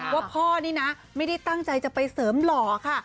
ว่าพ่อนี่นะไม่ได้ตั้งใจจะไปเสริมหล่อค่ะ